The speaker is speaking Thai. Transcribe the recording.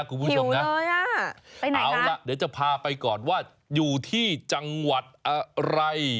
คุณผู้ชมนะเอาล่ะเดี๋ยวจะพาไปก่อนว่าอยู่ที่จังหวัดอะไร